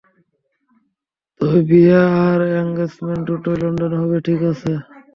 তবে বিয়ে আর এনগেজমেন্ট, দুটোই লন্ডনে হবে, ঠিক আছে।